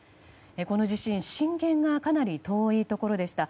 この地震、震源がかなり遠いところでした。